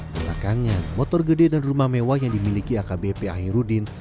belakangan motor gede dan rumah mewah yang dimiliki akbp ahirudin